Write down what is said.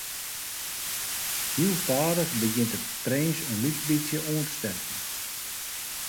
Heel stadich begjint de prins in lyts bytsje oan te sterkjen.